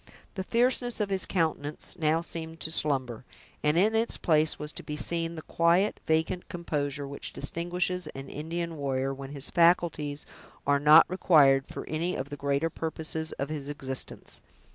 The fierceness of his countenance now seemed to slumber, and in its place was to be seen the quiet, vacant composure which distinguishes an Indian warrior, when his faculties are not required for any of the greater purposes of his existence.